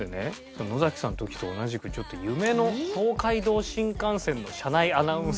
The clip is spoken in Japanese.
のざきさんの時と同じくちょっと夢の東海道新幹線の車内アナウンス。